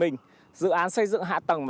dự án xây dựng hạ tầng và cải tạo môi trường